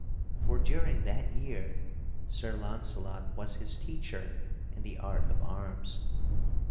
For, during that year Sir Launcelot was his teacher in the art of arms.